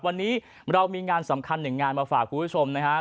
วันนี้เรามีงานสำคัญหนึ่งงานมาฝากคุณผู้ชมนะครับ